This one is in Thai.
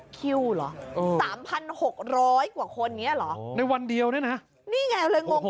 ๓๖๐๓กว่าขนนี้เลยวันเดียวเลยนะ